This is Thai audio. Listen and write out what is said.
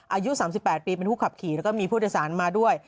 อายุ๓๘ปีเป็นผู้ขับขี่แล้วก็มีผู้โดยสารมาด้วย